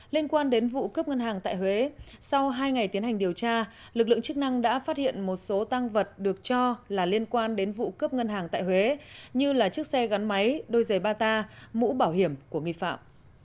liên quan đến vụ cướp ngân hàng tại huế sau hai ngày tiến hành điều tra lực lượng chức năng đã phát hiện một số tăng vật được cho là liên quan đến vụ cướp ngân hàng tại huế như là chiếc xe gắn máy đôi giày bata mũ bảo hiểm của nghi phạm